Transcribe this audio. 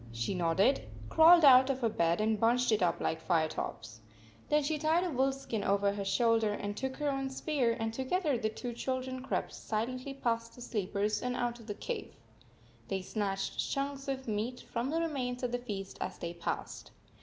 She nodded, crawled out of her bed, and bunched it up like Firetop s. Then she tied a wolf skin over her shoulder and took her own spear, and together the two children crept silently past the sleepers and out of the cave. They snatched chunks of meat from the remains of the feast as they passed.